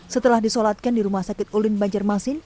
setelah disolatkan di rumah sakit ulin banjarmasin